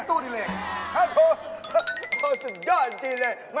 เป็นแบนอลชื่อง